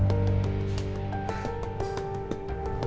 terima kasih pak